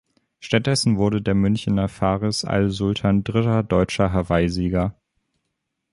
Stattdessen wurde der Münchener Faris Al-Sultan dritter deutscher Hawaii-Sieger.